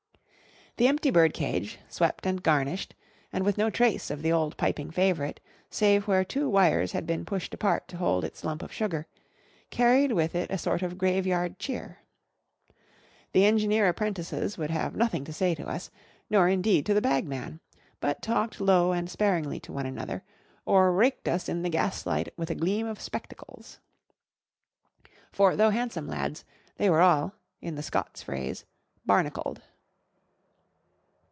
The empty bird cage, swept and garnished, and with no trace of the old piping favourite, save where two wires had been pushed apart to hold its lump of sugar, carried with it a sort of graveyard cheer. The engineer apprentices would have nothing to say to us, nor indeed to the bagman; but talked low and sparingly to one another, or raked us in the gaslight with a gleam of spectacles. For though handsome lads, they were all (in the Scots phrase) barnacled.